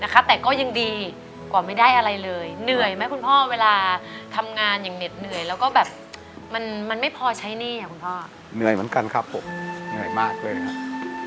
แต่ก็ยังดีกว่าไม่ได้อะไรเลยเหนื่อยไหมคุณพ่อเวลาทำงานอย่างเหน็ดเหนื่อยแล้วก็แบบมันไม่พอใช้หนี้อ่ะคุณพ่อเหนื่อยเหมือนกันครับผมเหนื่อยมากเลยครับ